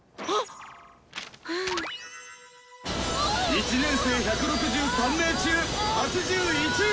１年生１６３名中８１位！